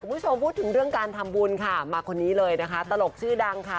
คุณผู้ชมพูดถึงเรื่องการทำบุญค่ะมาคนนี้เลยนะคะตลกชื่อดังค่ะ